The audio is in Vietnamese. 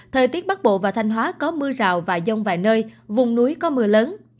thời tiết bắc bộ và thanh hóa có mưa rào và dông vài nơi vùng núi có mưa lớn